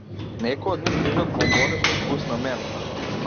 Некои од нив лижат бонбони со вкус на мента.